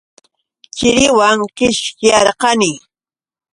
Chiriwan qishyarqani.